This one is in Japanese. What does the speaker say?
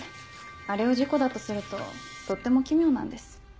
あれを事故だとするととっても奇妙なんです。